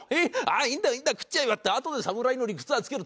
いいんだよいいんだよ食っちゃえばってあとで侍の理屈はつける。